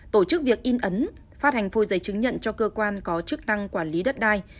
tổ chức việc in ấn phát hành phôi giấy chứng nhận cho cơ quan có chức năng quản lý đất đai